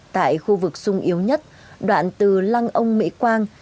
tại khu vực sung yếu nhất đoạn từ lăng ông mỹ quang